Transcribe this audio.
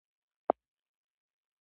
کډوالۍ د جګړې له امله ډېره شوه.